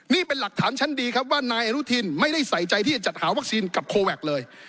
นี่เป็นหลักฐานชั้นดีครับว่านายอนุทินไม่ได้ใส่ใจที่จะจัดหาวัคซีนกับโคแวคเลย